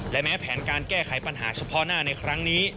และแม้แผนการแก้ไขปัญหาเฉพาะหน้าในครั้งนี้